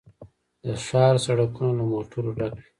د ښار سړکونه له موټرو ډک وي